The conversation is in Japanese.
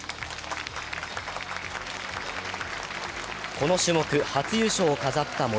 この種目、初優勝を飾った森。